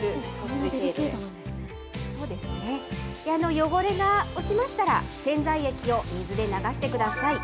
汚れが落ちましたら、洗剤液を水で流してください。